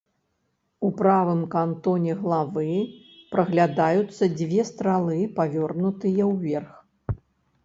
У правым кантоне главы праглядаюцца дзве стралы, павернутыя ўверх.